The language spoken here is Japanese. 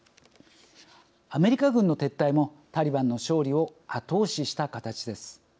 アメリカ軍の撤退もタリバンの勝利を後押しした形です。